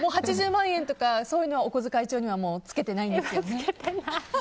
８０万円とか、そういうのはお小遣い帳にはつけてないんですか？